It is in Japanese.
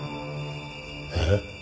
えっ？